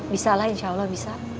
bisa lah insya allah bisa